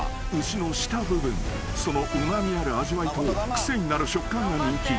［そのうま味ある味わいと癖になる食感が人気］